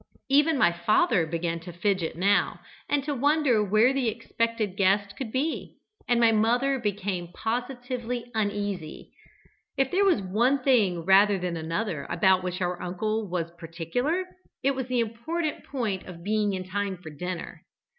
Even my father began to fidget now, and to wonder where the expected guest could be, and my mother became positively uneasy. If there was one thing rather than another about which our uncle was particular, it was the important point of being in time for dinner.